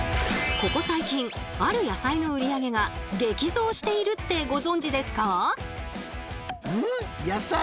ここ最近ある野菜の売り上げが激増しているってご存じですか？